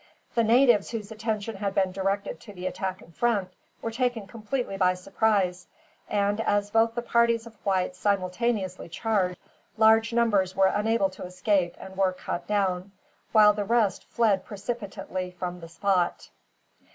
The natives, whose attention had been directed to the attack in front, were taken completely by surprise; and as both the parties of whites simultaneously charged, large numbers were unable to escape and were cut down, while the rest fled precipitately from the spot.